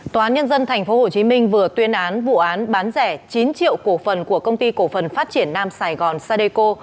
tòa án nhân dân tp hcm vừa tuyên án vụ án bán rẻ chín triệu cổ phần của công ty cổ phần phát triển nam sài gòn sadeco